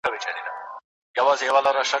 هغه د ساینس په برخه کي څېړنه کوله.